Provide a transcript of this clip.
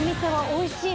おいしい。